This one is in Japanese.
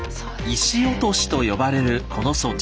「石落し」と呼ばれるこの装置。